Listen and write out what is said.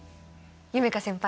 夢叶先輩